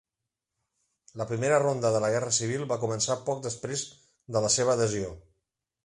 La primera ronda de la guerra civil va començar poc després de la seva adhesió.